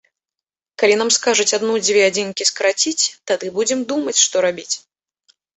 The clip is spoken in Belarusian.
Калі нам скажуць адну-дзве адзінкі скараціць, тады будзем думаць, што рабіць.